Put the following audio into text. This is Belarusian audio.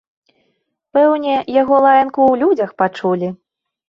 Пэўне яго лаянку ў людзях пачулі.